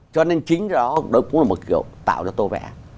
cho nên chính đó cũng là một kiểu tạo ra tô vẽ